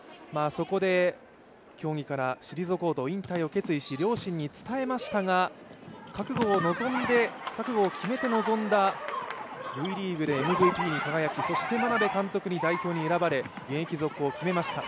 そこで競技から退こうと引退を決意し両親に伝えましたが覚悟を決めて臨んだＶリーグでＭＶＰに輝き、そして眞鍋監督に代表に選ばれ現役続行を決めました